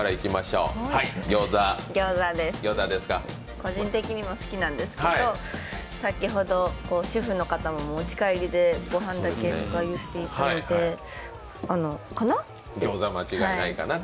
個人的にも好きなんですけど、先ほど、主婦の方も持ち帰りでご飯にすると言っていたので、間違いないかなと。